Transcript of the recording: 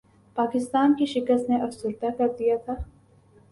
پاکستان کی شکست نے افسردہ کردیا تھا